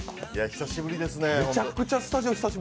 久しぶりですね。